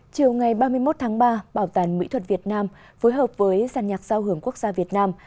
chiều ngày ba mươi một tháng ba bảo tàng mỹ thuật việt nam phối hợp với giàn nhạc giao hưởng quốc gia việt nam